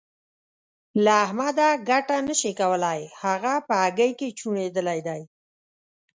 له احمده ګټه نه شې کولای؛ هغه په هګۍ کې چوڼېدلی دی.